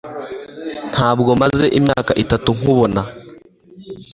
Ntabwo maze imyaka itatu nkubona